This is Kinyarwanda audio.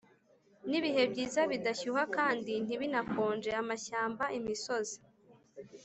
n'ibihe byiza bidashyuha kandi ntibinakonje. amashyamba, imisozi